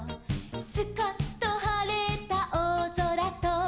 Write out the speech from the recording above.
「スカッとはれたおおぞらと」